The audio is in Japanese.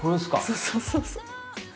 そうそうそうそう。